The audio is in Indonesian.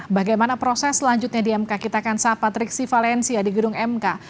bagaimana proses selanjutnya di mk kita akan sahabat riksi valencia di gedung mk